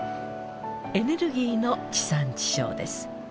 エネルギーの地産地消です。